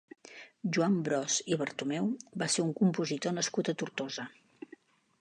Joan Bros i Bertomeu va ser un compositor nascut a Tortosa.